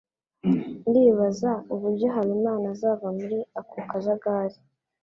Ndibaza uburyo Habimana azava muri ako kajagari.